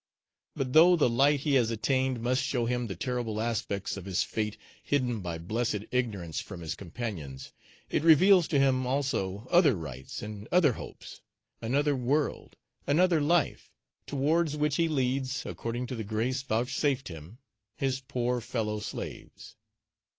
But though the light he has attained must show him the terrible aspects of his fate hidden by blessed ignorance from his companions, it reveals to him also other rights, and other hopes another world, another life towards which he leads, according to the grace vouchsafed him, his poor fellow slaves.